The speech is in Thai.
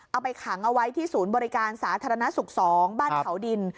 เอาไปขังเอาไว้ที่ศูนย์บริการสาธารณสุข๒บ้านเขาดิน